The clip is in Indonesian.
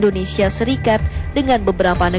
hal ini sesuai dengan hasil perjalanan